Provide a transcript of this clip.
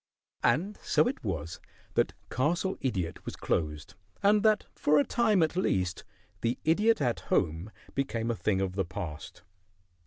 And so it was that Castle Idiot was closed, and that for a time at least "The Idiot at Home" became a thing of the past.